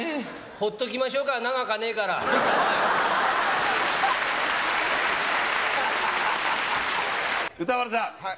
ほっときましょうか、長かね歌丸さん。